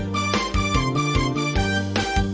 กลับไปก่อนที่สุดท้าย